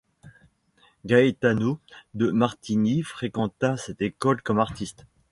Gaetano de Martini fréquenta cette école comme artiste.